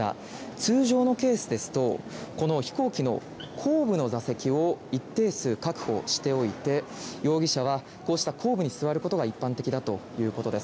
通常のケースですとこの飛行機の後部の座席を一定数確保しておいて容疑者はこうした後部に座ることが一般的だということです。